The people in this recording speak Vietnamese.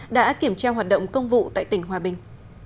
đã kiểm tra hoạt động công vụ tại tỉnh hòa bình